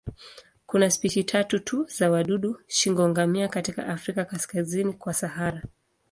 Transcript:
Kuna spishi tatu tu za wadudu shingo-ngamia katika Afrika kaskazini kwa Sahara.